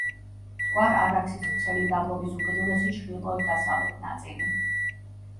მტკვარ-არაქსის ვრცელი დაბლობის უკიდურესი ჩრდილოეთ-დასავლეთ ნაწილი.